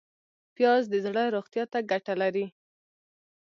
پیاز د زړه روغتیا ته ګټه لري